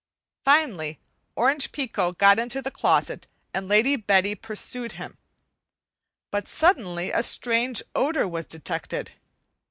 Finally, Orange Pekoe got into the closet and Lady Betty pursued him. But suddenly a strange odor was detected.